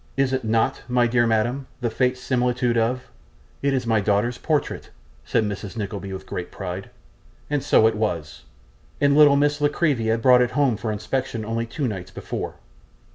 'Is it not, my dear madam, the faint similitude of ' 'It is my daughter's portrait,' said Mrs. Nickleby, with great pride. And so it was. And little Miss La Creevy had brought it home for inspection only two nights before.